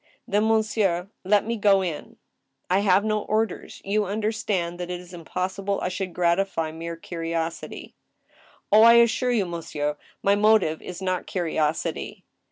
" Then, monsieur, let me go in." "I have no orders. You understand that it is impossible I should gratify mere curiosity." " Oh ! I assure you, monsieur, my motive is not curiosity."